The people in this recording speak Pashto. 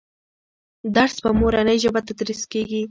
درس په مورنۍ ژبه تدریس کېږي.